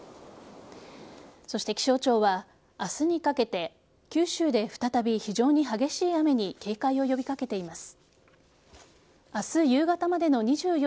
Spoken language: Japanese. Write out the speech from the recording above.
そして気象庁は明日にかけて九州で再び非常に激しい雨に警戒を呼びかけています。